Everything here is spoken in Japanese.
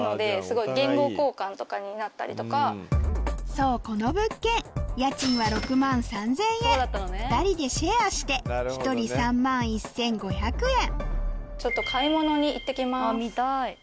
そうこの物件２人でシェアして１人３万１５００円ちょっと買い物に行って来ます。